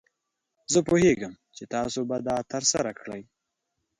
زه پوهیږم چې تاسو به دا ترسره کړئ.